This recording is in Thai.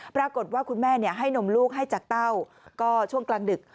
ปรากฏว่าคุณแม่ให้นมลูกให้จากเต้าก็ช่วงกลางดึก